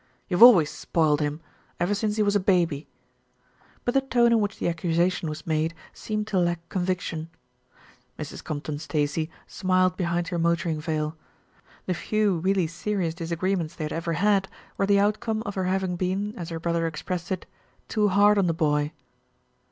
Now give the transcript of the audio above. "You've always spoiled him, ever since he was a baby"; but the tone in which the accusation was made seemed to lack conviction. Mrs. Compton Stacey smiled behind her motoring veil. The few really serious disagreements they had ever had were the outcome of her having been, as her brother expressed it, "too hard on the boy."